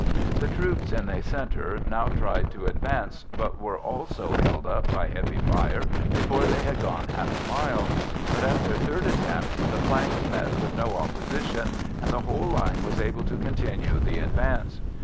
The troops in the centre now tried to advance, but were also held up by heavy fire before they had gone half a mile; but at their third attempt the flanks met with no opposition, and the whole line was able to continue the advance.